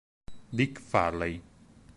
Dick Farley